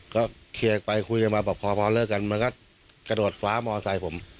ก็เคลียร์กันไปคุยกันมาบอกพอเลิกกันมันก็กระโดดฟ้ามอไซค์ผม